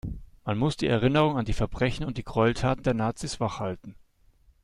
Man muss die Erinnerung an die Verbrechen und die Gräueltaten der Nazis wach halten.